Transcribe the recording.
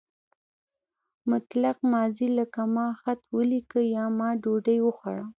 مطلق ماضي لکه ما خط ولیکه یا ما ډوډۍ وخوړه.